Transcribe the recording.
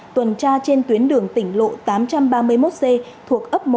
tuần tra trên tuyến đường tỉnh lộ tám trăm ba mươi một c